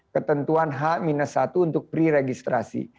ketentuan h satu untuk pre registrasi